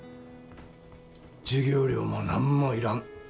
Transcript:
授業料も何も要らん。